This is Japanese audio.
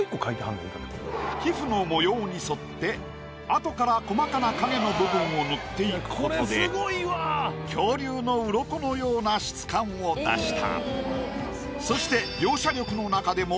皮膚の模様に沿ってあとから細かな影の部分を塗っていくことで恐竜のうろこのような質感を出した。